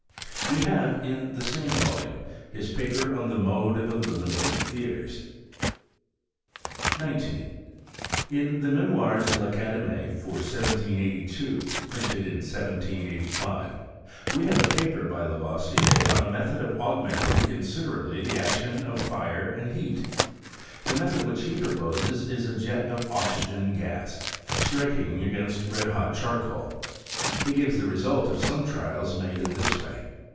• We have, in the same volume, his paper on the mode of illuminating theatres. 19. In the Memoires de T Academic, for 1782 (printed in 1785), we have a paper by Lavoisier on a method of augmenting considerably the action of fire and of beat. The method which he proposes is a jet of oxygen gas, striking against red hot char coal. He gives the result of some trials made in this way.